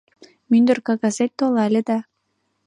Мӱндыр кагазет толале да